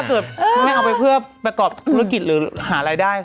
เกิดคุณแม่เอาไปเพื่อประกอบธุรกิจหรือหารายได้